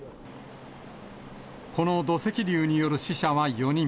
この土石流による死者は４人。